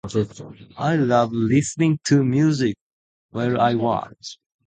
I love listening to music while I work.